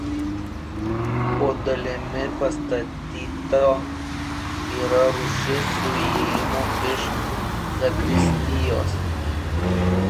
Po dalimi pastato yra rūsys su įėjimu iš zakristijos.